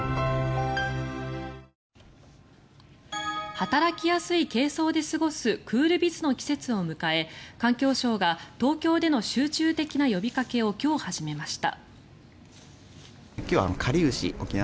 働きやすい軽装で過ごすクールビズの季節を迎え環境省が東京での集中的な呼びかけを今日、始めました。